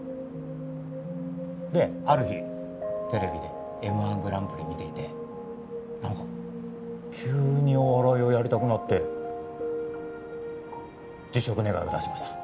である日テレビでＭ−１グランプリ見ていてなんか急にお笑いをやりたくなって辞職願を出しました。